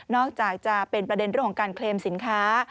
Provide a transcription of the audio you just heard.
จากจะเป็นประเด็นเรื่องของการเคลมสินค้า